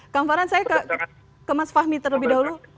kamu pernah saya ke mas fahmi terlebih dahulu